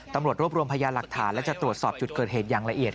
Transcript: ตำรวจรวบรวมพยานหลักฐานและจะตรวจสอบจุดเกิดเหตุอย่างละเอียด